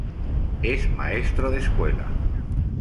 Es maestro de escuela.